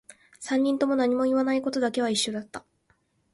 三人とも何も言わないことだけは一緒だった